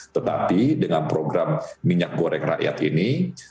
tetapi dengan program minyak goreng rakyat ini